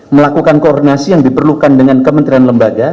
melakukan koordinasi yang diperlukan dengan kementerian lembaga